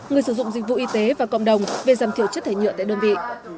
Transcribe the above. người sử dụng dịch vụ y tế và cộng đồng về giảm thiểu chất thải nhựa tại đơn vị